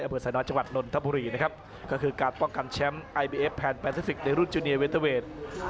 อำเภอสนจังหวัดนนทบุรีนะครับก็คือการป้องกันแชมป์ไอบีเอฟแพนแปซิฟิกในรุ่นจูเนียเวเตอร์เวท